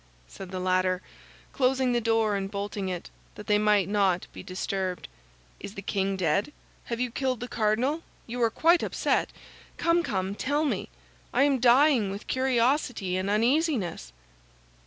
said the latter, closing the door and bolting it, that they might not be disturbed. "Is the king dead? Have you killed the cardinal? You are quite upset! Come, come, tell me; I am dying with curiosity and uneasiness!"